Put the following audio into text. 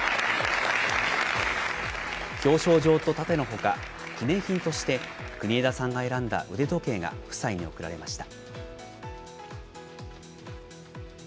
表彰状と盾のほか、記念品として、国枝さんが選んだ腕時計が夫妻に贈られました。